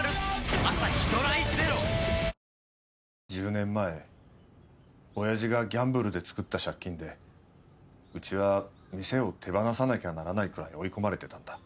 １０年前親父がギャンブルで作った借金でうちは店を手放さなきゃならないくらい追い込まれてたんだ。